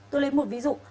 tôi lấy một ví dụ